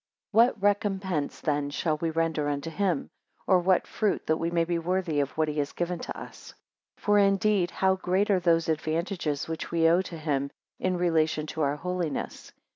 4 What recompense then shall we render unto him? Or what fruit that may be worthy of what he has given to us? 5 For indeed how great are those advantages which we owe to him in relation to our holiness?